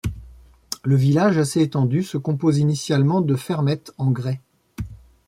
Le village, assez étendu, se compose initialement de fermettes en grès.